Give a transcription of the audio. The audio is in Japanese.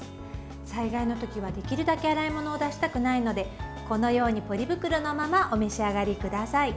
災害の時はできるだけ洗い物を出したくないのでこのようにポリ袋のままお召し上がりください。